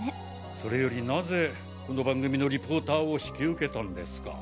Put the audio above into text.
それよりなぜこの番組のリポーターを引き受けたんですか。